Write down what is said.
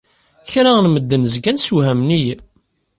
Kra n medden zgan ssewhamen-iyi.